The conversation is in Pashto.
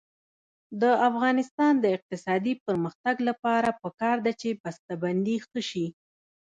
د افغانستان د اقتصادي پرمختګ لپاره پکار ده چې بسته بندي ښه شي.